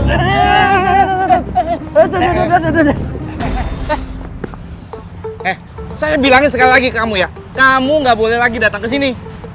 eh saya bilangin sekali lagi kamu ya kamu gak boleh lagi datang ke sini